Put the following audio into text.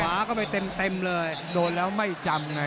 ขวาก็ไปเต็มเลยโดนแล้วไม่จำนะ